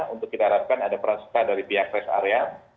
untuk kita harapkan ada peran serta dari pihak rest area